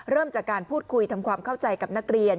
เริ่มจากการพูดคุยทำความเข้าใจกับนักเรียน